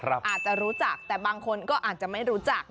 อาจจะรู้จักแต่บางคนก็อาจจะไม่รู้จัก